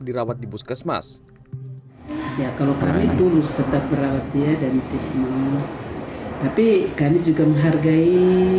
dirawat di puskesmas ya kalau kami tulus tetap berawat dia dan tidak mau tapi kami juga menghargai